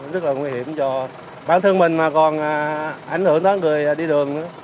rất là nguy hiểm cho bản thân mình mà còn ảnh hưởng tới người đi đường nữa